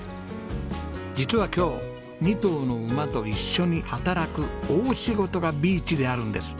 実は今日２頭の馬と一緒に働く大仕事がビーチであるんです。